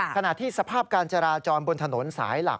ขณะที่สภาพการจราจรบนถนนสายหลัก